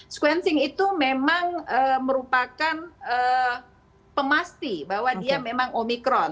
sequencing itu memang merupakan pemasti bahwa dia memang omikron